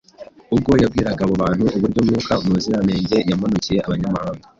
Ubwo yabwiraga abo bantu uburyo Mwuka Muziranenge yamanukiye Abanyamahanga,